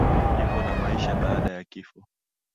Kifo na maisha baada ya kifo